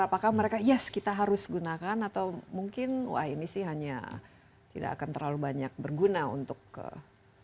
apakah mereka yes kita harus gunakan atau mungkin wah ini sih hanya tidak akan terlalu banyak berguna untuk kebutuhan